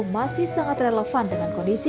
masih sangat relevan dengan kondisi